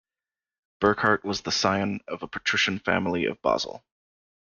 Burckhardt was the scion of a patrician family of Basel.